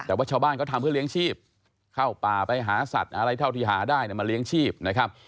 แต่ว่าชาวบ้านเขาทำเพื่อเลี้ยงชีพเข้าป่าไปหาสัตว์อะไรเท่าที่หาได้มาเลี้ยงชีพนะครับ